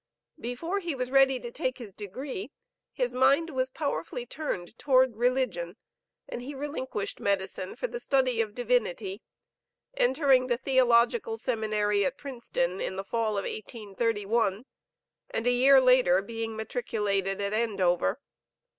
Before he was ready to take his degree, his mind was powerfully turned towards religion, and he relinquished medicine for the study of divinity, entering the Theological Seminary at Princeton, in the fall of 1831, and a year later, being matriculated at Andover.